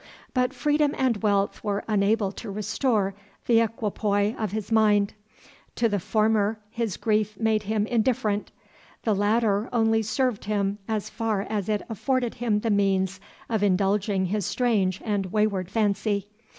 But freedom and wealth were unable to restore the equipoise of his mind; to the former his grief made him indifferent the latter only served him as far as it afforded him the means of indulging his strange and wayward fancy.